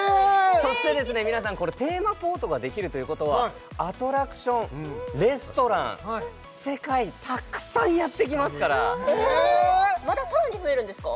そしてですね皆さんこれテーマポートができるということはアトラクションレストラン世界たくさんやってきますからまたさらに増えるんですか